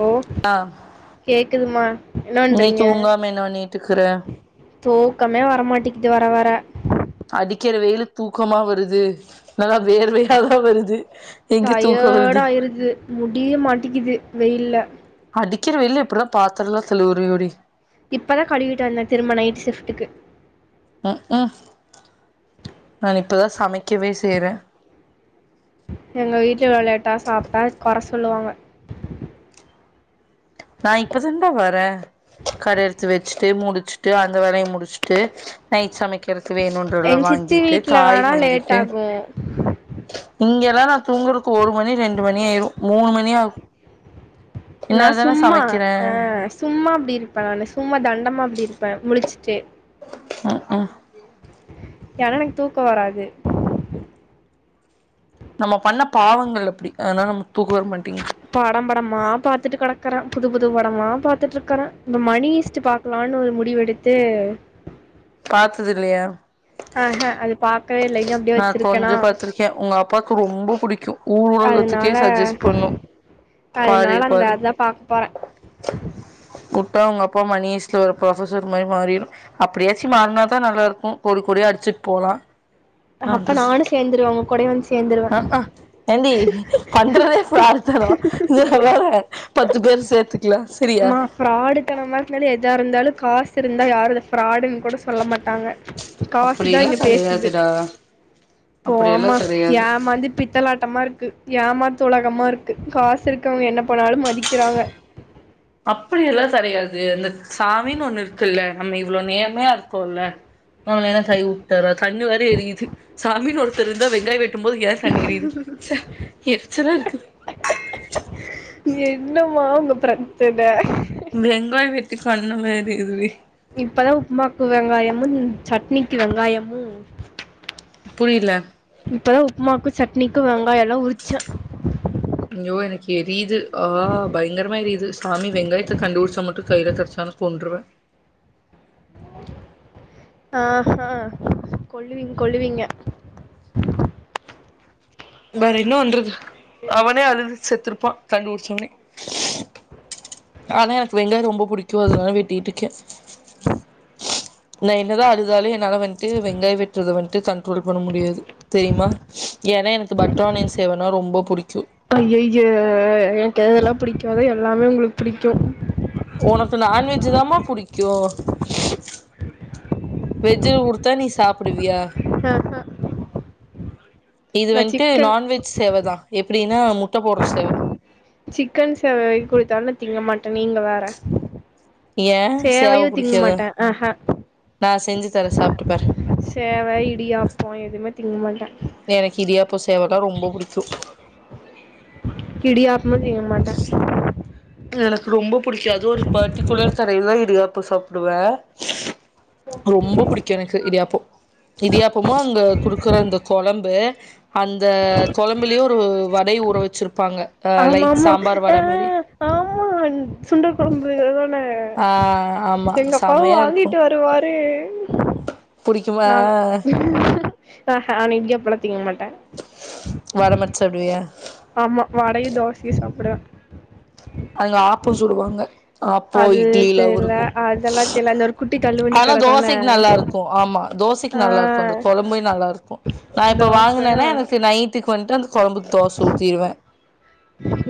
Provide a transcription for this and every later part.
hello ஆ கேக்குதுமா என்ன நீ பண்றீங்க தூங்காம என்ன பண்ணிட்டுக்கிற தூக்கமே வர மாட்டேக்குது வர வர அடிக்கிற வெயிலுக் தூக்கமா வருது நல்லா வேர்வையாதா வருது எங்க தூக்க வருது டயர்டாயிருது முடிய மாட்டிக்குது வெயில்ல அடிக்கிற வெயில எப்டிதா பாத்திரலா கழுவுரியோடி இப்ப தா கழுவிட்ட வந்தே திரும்ப நைட் ஷிப்டுக்கு நா இப்பதா சமைக்கவே செய்றே எங்க வீட்டுல இவ்ளோ லேட்டா சாப்ட்டா கொற சொல்லுவாங்க நா இப்ப தாண்டா வரே கட எடுத்து வச்சுட்டு முடிச்சுட்டு அந்த வேலய முடிச்சுட்டு நைட்டு சமைக்கிறதுக்கு வேணு எங்க ல்லாம் சித்தி வாங்கிட்டு வீட்ல காய் வேணா லேட் வாங்கிட்டு ஆகும் இங்கல்லா நா தூங்குறதுக்கு ஒரு மணி ரெண்டு மணி ஆயிரும் மூணு மணியாகு நா இனருதானே சும்மா சமைக்கிறே ஆ சும்மா அப்டி இருப்பே நா சும்மா தண்டமா அப்டி இருப்பே முழிச்சுட்டு ம் ம் ஏனா எனக்கு தூக்கோ வராது நம்ம பண்ண பாவங்கள் அப்டி அதனால நமக்கு தூக்கம் வர மாட்டேங்குது படம் படமா பாத்துட்டு கெடக்கற புது புது படமா பாத்துட்டு இருக்கறே இந்த மணி ஈஸ்ட் பாக் லான்னு ஒரு முடிவெடுத்து பாத்தது இல்லையா ஆ ஆ அது பாக்கவே இல்லை இன்னும் நா கொஞ்ச பாத்திருக்கே உங்க அப்பாவுக்கு ரொம்போ புடிக்கு ஊரு உலகத்துக்கே அதனால சஜஸ்ட் பண்ணு பாரு அதனால அந்த பாரு அதா பாக்க போறே உட்டா உங்க அப்பா மணி ஈஸ்ட்ல ஒரு ப்ரொபசர் மாரி மாறிரு அப்படியாச்சு மாறுனதா நல்லா இருக்கு கோடி கோடியாக அடிச்சிட்டு போலா அப்பா நானு சேரந்துருவாங்க உங்க கூட வந்து சேந்துருவே அக் ஆ என்டி பண்ட்ரதே பிராடுதனோ இதுல வேற பத்து பேரு சேத்து ங்ளா சரியா ஃப்ராடு தன மாதிரிருனால எதா இருந்தாலு காசு இருந்தா யாரு அத ஃப்ராடுன்னு கூட சொல்ல மாட்டாங்க காசுதா அப்படியெல்லா இங்க பேசுது கெடையாதுடா அப்படியெல்லா போமா கெடையாது ஏமாந்து பித்தலாட்டமா இருக் கு ஏமாத்து உலகமா இருக்கு காசு இருக்கவங்க என்ன பண்ணாலு மதிக்கிறாங்க அப்பிடியெல்லா கெடையாது அந்த சாமின்னு ஒண்ணு இருக்குல்ல நம்ம இவ்ளோ நேர்மையா இருக்கோல்ல நம்ம வேனா கை வுட்டாற தண்ணி வேற எரியுது சாமின்னு ஒருத்தர் இருந்தா வெங்காய வெட்டும் போது ஏ கண்ணு எரியுது ச்ச எறிச்சலா இருக்கு என்னமா உங்க ப்ரச்சன வெங்காய வெட்டி கண்ணெல்லா எறியுதுடி இப்பதா உப்புமாக்கு வெங்காயமு சட்னிக்கு வெங்காயமு புரியில இப்பதா உப்புமாக்கு சட்னிக்கு வெங்காயெல்லா உரிச்சே ஐய்யோ எனக்கு எரியிது ஆ பயங்கரமா எரியிது சாமி வெங்காயத்த கண்டுபிடிச்சா மட்டு கையில கெட்ச்சா நா கொண்ருவே ஆ ஆ கொல்லுவீங்க கொல்லுவீங்க வேற என்னபண்றது அவனே அழுது செத்துருப்பா கண்டு புடிச்சவனே ஆனா எனக்கு வெங்காய ரொம்ப புடிக்கு அதுனால வெட்டிட்டு இருக்கே நா என்னதா அழுதாலு என்னால வந்துட்டு வெங்காய வெட்டுறத வந்ட்டு கண்ட்ரோல் பண்ண முடியாது தெரியுமா ஏனா பட்டரானியன்சேவனா ரொம்ப புடிக்கு அய்யய்ய எனக்கு எதெல்லா புடிக்காதோ அது எல்லாமே உங்குளுக்கு புடிக்கு உனக்கு நான்வெஜ்ஜி தாம புடிக்கு வெஜ்ஜி குடுத்தா நீ சாப்புடுவியா ஆ ஹா இது வந்துட்டு சிக்கன் நான்வெஜ் சேவதா எப்புடினா முட்ட போட்ற சேவ சிக்கன் சேவை குடுத்தாலு தீங்க மாட்ட நீங்க வேற ஏ சேவ சேவையோ திங்க புடிக்காதா மாட்ட அ ஹா நா செஞ்சு தரே சாப்ட்டு பாரு சேவை இடியாப்போ எதுவுமே திங்க மாட்டே எனக்கு இடியாப்ப சேவனா ரொம்ப புடிக்கு இடியாப்பமு திங்க மாட்டே [inaudible] எனக்கு ரொம்ப புடிக்கு அதுவு ஒரு பர்ட்டிகுலர் கடையில தா இடியாப்போ சாப்புடுவே ரொம்போ புடிக்கு எனக்கு இடியாப்போ இடியாப்பமு அங்க குடுக்குற அந்த கொழம்பு அந்த கொழம்புலயும் ஒரு வடையா ஊற வச்சிருப்பாங்க அ ஆமா லைக் ஆமா சாம்பார் வட மாரி ஆஹ் ஆமா சுண்டல் கொழம்பு தானே ஆ ஆமா எங்கப்பாவு செமையா இருக்கு வாங்கிட்டு வருவாரு புடிக்குமா நா இடியாப்பம்லா திங் மாட்ட வட மட் சாப்டுவிய ஆமா வடையு தோசையு சாப்டுவ அதுங்க ஆப்போ சுடுவாங்க அப்போ அது இட்லில தெர்ல உருக்கும் அதெல்லா தெர்ல அந்த ஒரு குட்டி தள்ளுவண்டி ஆனா கட தான தோசைக்கு நல்லா இருக்கு ஆமா தோசைக் கு ஆ நல்லா இருக்கு அந்த கொழம்பே நல்லாருக்கு நா இப்ப தோச வாங்கினேன்னா எனக்கு நை திக்கு வன்ட்டு அந்த கொழம்புக்கு தோசை ஊத்டுவே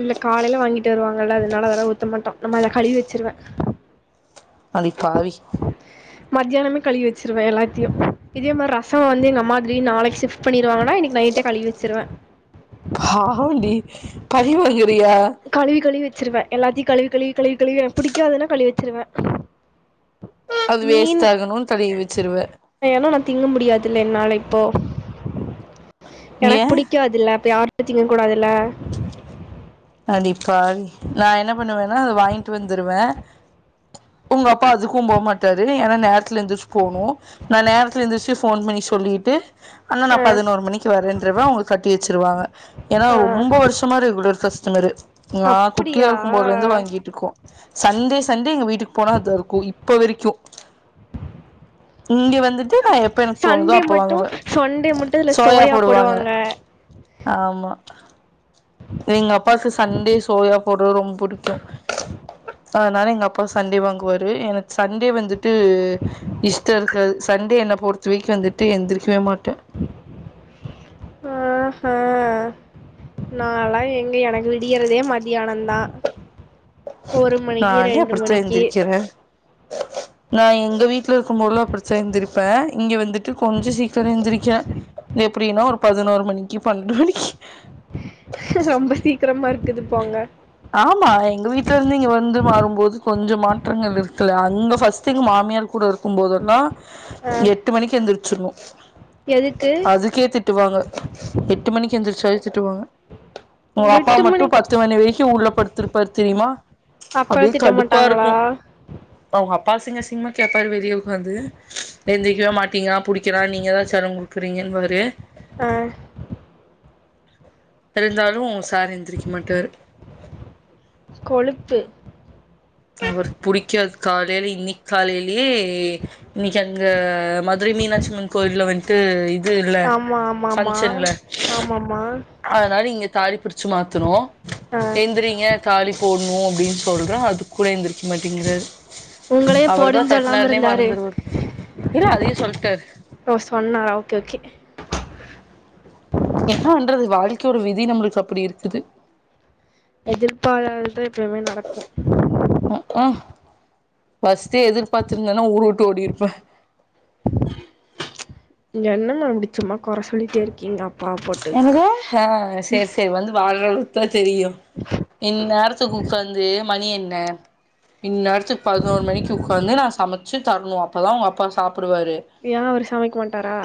இல்ல காலையில வாங்கிட்டு வருவாங்கல்ல அதனால அதலா ஊத்த மாட்டோம் நம்ம அத கழுவி வச்சிருவ அதிப்பாவி மத்தியானமே கழுவி வச்சிருவே எல்லாத்தையு இதே மார் ரசோ வந்து எங்க அம்மா திடீர்னு நாளைக்கு ஷிப் குக் பண்ணிடுவாங்கன்னா இன்னைக்கு நைட்டே கழிவி வச்சிருவே பாவண்டி பழிவாங்குரிய கழுவி கழுவி வச்சிருவே எல்லாத்தையு கழுவி கழுவி கழுவி கழுவி புடிக்காதுன்னா கழுவி வச்சிருவே அது வேஸ்ட் மீன் ஆகணும்னு கழுவி வச்சிருவ ஏன்னா நா திங்க முடியாதுல்ல என்னால இப்போ ஏ எனக்கு பிடிக்காதுல்ல அப்ப யார் வச்சிங்க கூடாதுல அடிபாவி நா என்ன பண்ணுவேன்னா அத வாங்கிட்டு வந்துருவ உங்க அப்பா அதுக்கு‌ போ மாட்டாரு ஏன்னா நேரத்துல எந்திரிச்சு போனு நா நேரத்துல எந்திருச்சு போன் பண்ணி சொல்லிட்டு அண்ணா நா ஆ, பதினோரு மணிக்கு வரேன்றவ அவங்க கட்டி வச்சுருவாங்க ஏன்னா ஆ, ரொம்ப வருஷமா ரெகுலர் ஃபர்ஸ் ந குட்டியா அப்படியா இருக்கும் பொதுல இருந்து வாங்கிட்டு இருக்கோ சண்டே சண்டே எங்க வீட்டுக் போனா அதா இருக்கு இப்ப வரைக்கு இங்க வந்துட்டு நா எப்ப எனக்கு தோணுதோ அப்ப வாங்குவே டே மட்டு அதுல சோயா போடுவாங்க ஆமா எங்க அப்பாக்கு சண்டேஸ் சோயா போட்ரது ரொம் புடிக்கு அதனால எங்க அப்பா சண்டே வாங்குவாரு எனக்கு சண்டே வந்துட்டு இஷ்ட இருக்காது சண்டே என்ன பொறுத்த விக்கு வந்துட்டு எந்திருக்கவே மாட்டே ஆ ஹா நாலா எங்க எனக்கு விடியிறதே மதியானந்தா ஒரு மணிக்கு நானே ரெண்டு அப்படித்தா மணிக்கு எந்திரிக்கிறே நா எங்க வீட்டுல இருக்கும் போதுல அப்டி ‌தா எந்திரிப்பேன் இங்க வந்துட்டு கொஞ்ச சீக்கிரோ எந்திரிக்கிற எப்டின்னா ஒரு பதினோரு மணிக்கு பன்னெண்டு மணிக்கு ரொம்ப சீக்கிரமா இருக்குது போங்க ஆமா எங்க வீட்டு்ல இருந்து இங்க வந்து மாறும்போது கொஞ்சம் மாற்றங்கள் இருக்குல அங்க பர்ஸ்ட் எங்க மாமியார் கூட இருக் கும் போதெல்லா ஆ, எட்டு மணிக்கு எந்திரிச்சிருவோ எதுக்கு அதுக்கே திட் டுவாங்க எட்டு மணிக்கு எந்திரிச்சாவே திட்டுவாங்க உங்க அப்பா எட்டு மட்டு மணிக்கு பத்து மணி வரை க்கு உள்ள படுத்திருப்பாரு தெரியுமா அப்டியே அப்புறம் திட்ட கடுப்பா மாட்டாங்களா இருக்கு அவங்க அப்பா அசிங்க அசிங்கமா கேப்பாரு வெளிய உக்காந்து எந்திரிக்கவே மாட்டீங்க புடிக்கிறா நீங்க தா செல்ல குடுக்குறீங்கன்னுவாரு ஆ இருந்தாலு சார் எந்திரிக்க மாட்டாரு கொழுப்பு அவருக்கு புடிக்காது காலைல இன்னிக் காலைலீயே இன்னிக்கி அங்க மதுரை மீனாட்சி அம்மன் கோயில்ல வன்ட்டு இ துல்ல ஆமா ஆமாம்மா பங்ஷன்ல ஆமாம்மா அதனால இங்க தாலி ‌பிரிச்சி மாத்துனோ ஆ எந்திரீங்க தாலி போட்ணோ அப்டீன்னு சொல்றோ அதுக்கு கூட எந்திரிக்க மாட்டீங்குறாரு உங்களே அவர்தா போடுன்னு சொல்லாம கட்னாருனே இருந்தாரு மறந்துருவாரு போல இல்ல அதையு சொல்ட்டாரு ஓ சொன்னாறா ஓகே ஓகே ஏன்னா பன்றது வாழ்க்கையோட விதி நம்முளுக்கு அப்டி இருக்குது எதிர்ப்பாராததே எப்பயுமே நடக்கோ அ பஸ்ட்டு எதிர்பார்த்திருந்துன்னா ஊரு வுட்டு ஓடிருப்பே என்னம்மா இப்டி சும்மா கொற சொல்லிட்டே இருக்கீங்க அப்பாவ போட்டு என்னது ஆ சேர் சேர் வந்து வாழ்றவளுக் குதா தெரியு இன்னேர்த்துக்கு ஒக்காந்து மணி என்ன இந்நேரத்துக்கு பதினோரு மணிக்கு ஒக்காந்து நா சமச்சு தரணோ அப்போ தா அவங்க அப்பா சாப்புடுவாரு ஏ அவரு சமைக்க மாட்டாரா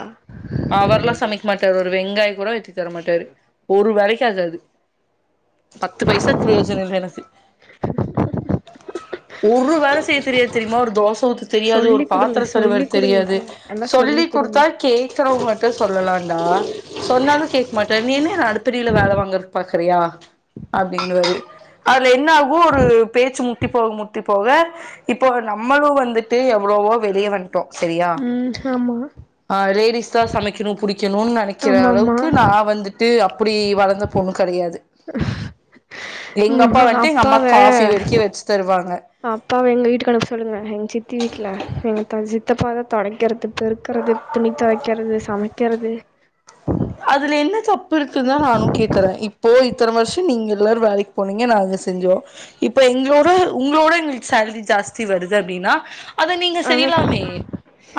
அவர்லா சமைக்க ஒரு வெங்காயோ கூட வெட்டி தரமாட்டாரு ஒரு வேலைக்கு ஆகாது பத்து பைசாக்கு பிரயோஜனோ இல்ல எனக்கு [unintelligible] ஒரு வேல செய்ய தெரியாது தெரியுமா ஒரு தோச ஊத்த தெரியாது ஒரு பாத்தரோ கழுவ தெரியாது எல்லா சொல்லி கு குடுத்தா கேக்றவங்குட்ட சொல்லலாடா சொன்னாலு கேக்க மாட்டாரு நீ என்ன என்ன அடுத்தடீல வேல வாங்குறதுக்கு பாக்குறியா அப்டீன்னுவாரு அதுல என்ன ஆகு ஒரு பேச்சு முத்தி போக முத்தி போவ இப்போ நம்மளு வந்துட்டு எவ்வளோவோ வெளிய வ ன்டோ செரியா ம் ஆமா அ லேடிஸ்தா சமைக்கணோ புடிக்கணோனு நெனைக்கிற ஆமா ஆமா அளவுக்கு நா நா வந்துட்டு அப்புடி வளந்த பொண்ணு கெடையாது எங்க ம் அப்பா வன்ட்டு எங்க அம்மாக்கு அப்பாவ காஃபி வெரிக்கி வெச்சு தருவாங்க அப்பாவ எங்க வீட்டுக்கு வர சொல்லுங்க எங்க சித்தி வீட்ல எங்க த சித்தப்பாதா தொடைக்கிறது பெருக்குறது துணி தொவைக்கிறது சமைக்கிறது அதுல என்ன தப்பு இருக்குதுன்னு நானு கேக்கறே இப்போ இத்தன வர்ஷோ நீங்க எல்லாரு வேலைக்கு போனீங்க நாங்க செஞ்சோ இப்ப எங்களோட உங்களோட எங்குளுக்கு சேலரி ஜாஸ்தி வருது அப்டீன்னா அத நீங்க ஆனா செய்யலாமே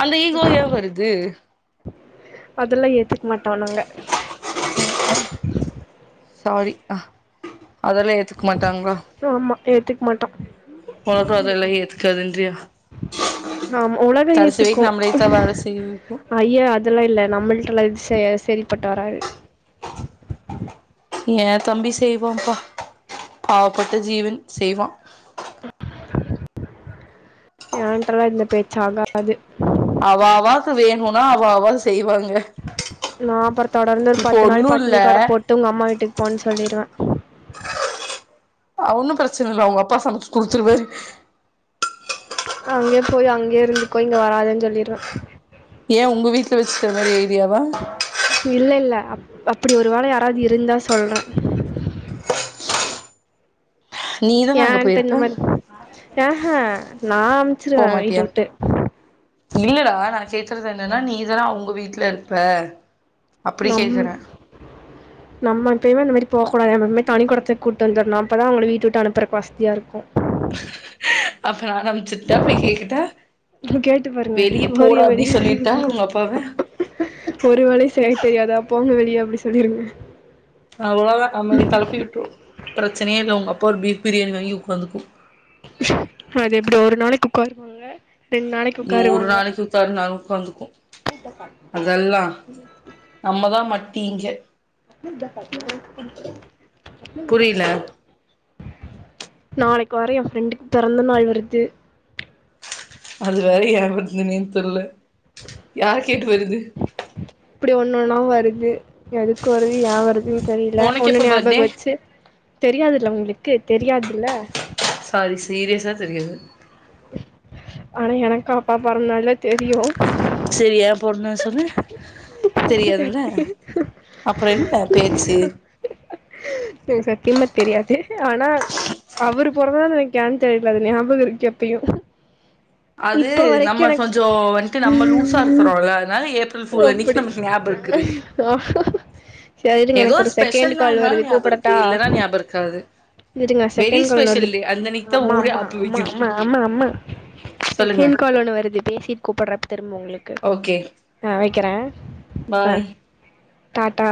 அந்த ஈகோ ஏ வருது அதுல்லா ஏத்துக்க மாட்டோ நாங்க [unintelligible] சாரி அதெல்லா ஏத் ஏத்துக்க மாட்டாங்களா ஆமா ஏத்துக்க மாட்டோ ஒலகோ அதெல்லா ஏத்துகாதுன்றியா ஆமா ஒலகோ ஏத்துக்கோ தா வேல செய்ய வைக்கு ஐய்ய அதெல்லா இல்ல நம்மள்ட்டலா இது செ செரிப்பட்டு வராது ஏ தம்பி செய்வாம்பா பாவப்பட்ட ஜீவன் செய்வா ஏன்ட்டலா இந்த பேச்சு ஆகாது அவா அவாக்கு வேணுனா அவா அவா செய்வாங்க நா அப்புறோ தொடர்ந்து ஒரு இப்போ பத்து நாள் ஒன்னு இல்ல பட்டினி கட போட்டு உங்க அம்மா வீட்டுக்கு போன்னு சொல்லிருவே அ ஒன்னு பிரச்சன இல்ல அவுங்க அப்பா சமைச்சு குடுத்துருவாரு அச்கே போய் அங்கே இருந்துக்கோ இங்க வராதன் சொல்லிருவ ஏ உங்க வீட்ல வச்சுக்கிற மாரி ஐடியாவா இல்ல இல்ல அப் அப்படி ஒரு வேள யாராவது இருந்தா சொல்ற நீதான அங்க ஏன்ட்ட இந்த போயிருப்ப மாரி அஹ நா அம்ச்சிருவ வீட்ட போமாட்டியா விட்டு இல்லடா நா கேக்கறது என்னன்னா நீதானா அவுங்க வீட்ல இருப்ப அப்டி நம் கேக்குற நம்ம எப்பயுமே அந்த மாரி போ கூடாது நம்ம எப்மே தனி குடுத்தனோ கூட்டு வந்துருனு அப்ப தா அவுங்கள வீட்ட விட்டு அனுப்பறக்கு வசதியா இருக்கு அப்பறம் அறம் ஸ்டிக்ட்டா போய் கேக்கட்டா கேட்டு பாருங்க வெளிய ஓரிய போடா வெளி அப்டி சொல்லிட்டா உங்க அப்பாவ ஒரு வேளையு செய்ய தெரியாதா போங்க வெளிய அப்டி சொல்லிருங்க அவ்ளோ நம்மள கெளப்பி விட்டுரு பிரச்சனயே இல்ல உங்க அப்பா ஒரு பீஃப் பிரியாணி வாங்கி ஒக்காந்துக்கு அது எப்டி ஒரு நாளைக்கு ஒக்காருவாங்க நூறு நாளைக்கு ஒக்காந்தாலு ஒக்காந்துக்கு அதல்லா நம்ம தா மட்னி இங்க [unintelligible] புரியல நாளைக்கு வேற எ ஃப்ரெண்டுக்கு பெறந்த நாள் வருது அது வேற ஏ வருதுன்னே தெர்ல யார கேட்டு வருது இப்படி ஒன்னு ஒன்னா வருது எதுக்கு வருது ஏ வரு துன் தெரில உனக்கு ஒன்னு எப்ப ஞாபக பர்த்டே வெச்சு தெரியாதுல்ல அவுங்ளுக்கு தெரியாதுல்ல சாரி சீரியசா தெரியாது ஆனா எனக்கு அப்பா பெறந்தனால்லா தெரியு செரி ஏ பொறந்நாள் சொல்லு தெரியாதுல்ல அப்றோ என்ன பேச்சி எனக்கு சத்தியமா தெரியாது ஆனா அவுரு பொறந்தநாளு எனுக்கு யான் தெரில அது ஞாபக இருக்கு எப்பையு அது நம்ம கொஞ்சோ வன்ட்டு நம்ம லூசா எனக்கு இருக்றோல்ல அதனால ஏப் ரல் ஃபூல் அன்னிக்கி நமக்கு ஞாபக் இக்குது சேர் இருங்க எனக்கு ஒரு செகெண்டு ஸ்பெஷல் கால் நாள்னால வருது ஞாபகம் இருக்கு கூப்படட்டா இல்லன்னா ஞாபகம் இருக்காது இருங்க வெரி செகெண்ட் கால் ஸ்பெஷல் வருதுட் டே அந்த அன்னைக்கு தா அம்மா ஊரே அம்மா ஆப்பு அம்மா வைக்குது அம்மா அம்மா அம்மா சொல்லுங்க செகெண்ட் கால் ஒன்னு வருது பேசிட் கூப்பற்ற திரும்ப உங்ளுக்கு ஓகே ஆ வெக்கற அ பாய் டாட்டா